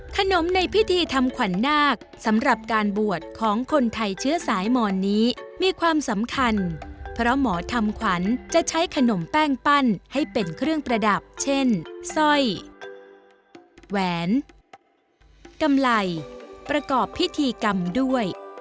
ขนมในพิธีทำขวัญนาคสำหรับการบวชของคนไทยเชื้อสายหมอนนี้มีความสำคัญเพราะหมอทำขวัญจะใช้ขนมแป้งปั้นให้เป็นเครื่องประดับเช่นสร้อยแหวนกำไรประกอบพิธีกรรมด้วย